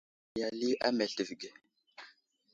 Asəkum bəlma i ali a meltivi age.